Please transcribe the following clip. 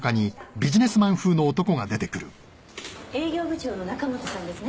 営業部長の中本さんですね？